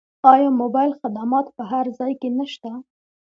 آیا موبایل خدمات په هر ځای کې نشته؟